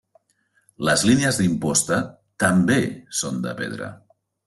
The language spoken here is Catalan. Les línies d'imposta també són de pedra.